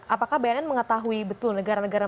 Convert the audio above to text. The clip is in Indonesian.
apakah bnn mengetahui betul negara negara